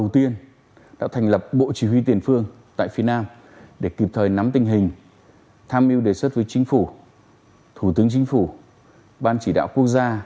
thủ tướng chính phủ ban chỉ đạo quốc gia